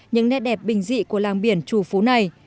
những nét đẹp bình dị của làng biển trù phú này